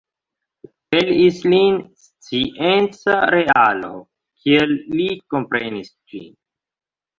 Pelis lin scienca realo, kiel li komprenis ĝin.